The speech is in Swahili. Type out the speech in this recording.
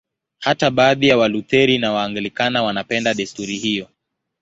Hata baadhi ya Walutheri na Waanglikana wanapenda desturi hiyo.